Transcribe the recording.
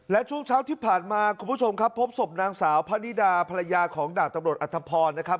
และช่วงเช้าที่ผ่านมาคุณผู้ชมครับพบศพนางสาวพระนิดาภรรยาของดาบตำรวจอัธพรนะครับ